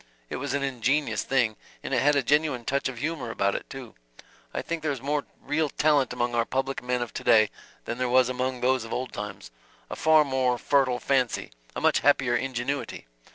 It was an ingenious thing and it had a genuine touch of humor about it, too. I think there is more real talent among our public men of to day than there was among those of old times a far more fertile fancy, a much happier ingenuity.